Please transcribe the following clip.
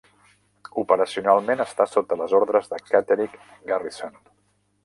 Operacionalment està sota les ordres de Catterick Garrison.